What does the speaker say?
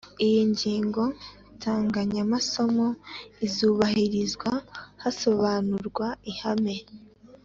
Iyi ngingo nsanganyamasomo izubahirizwa hasobanurwa ihame